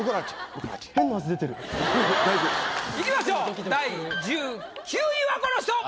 いきましょう第１９位はこの人！